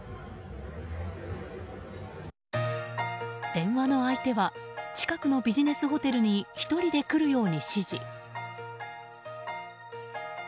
電話の相手は近くのビジネスホテルに１人で来るように指示。